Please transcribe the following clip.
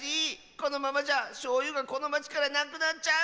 このままじゃしょうゆがこのまちからなくなっちゃう！